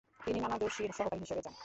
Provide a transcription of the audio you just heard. তিনি নানা জোশী’র সহকারী হিসেবে যান।